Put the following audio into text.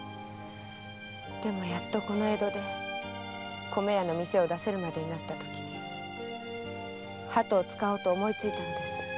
でもやっとこの江戸で米屋の店を出せるまでになったときハトを使おうと思いついたのです。